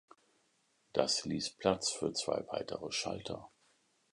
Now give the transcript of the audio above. Das ließ Platz für zwei weitere Schalter.